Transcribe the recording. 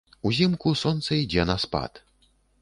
Узімку сонца ідзе на спад.